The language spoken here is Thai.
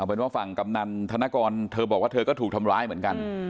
เป็นว่าฝั่งกำนันธนกรเธอบอกว่าเธอก็ถูกทำร้ายเหมือนกัน